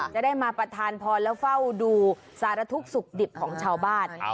จะได้มาประทานพรและเฝ้าดูสารทุกข์สุขดิบของชาวบ้าน